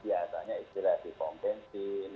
biasanya istilahnya di pom pom benzin